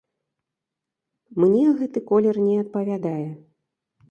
Мне гэты колер не адпавядае.